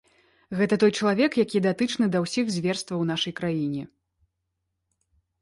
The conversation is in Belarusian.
Гэта той чалавек, які датычны да ўсіх зверстваў у нашай краіне.